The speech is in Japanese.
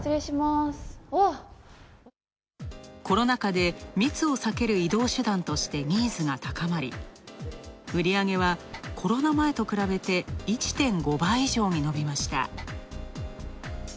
コロナ禍で、密を避ける移動手段としてニーズが高まり売り上げはコロナ前と比べて１．５倍以上にのびました。